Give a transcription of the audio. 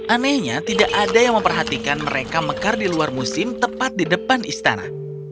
anehnya tidak ada yang memperhatikan mereka mekar di luar musim tepat di depan istana